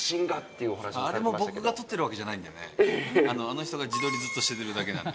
あれも僕が撮ってるわけじゃないんだよね、あの人が自撮りずっとしてるだけなんで。